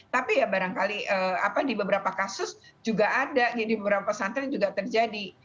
tapi ya barangkali di beberapa kasus juga ada di beberapa pesantren juga terjadi